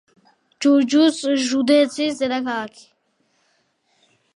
ჯურჯუს ჟუდეცის დედაქალაქი.